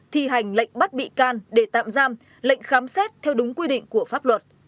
thi hành lệnh bắt bị can để tạm giam lệnh khám xét theo đúng quy định của pháp luật